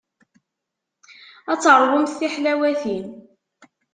Ad teṛwumt tiḥlawatin.